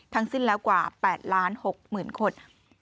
ทั้งสิ้นแล้วกว่า๘๖ล้านคน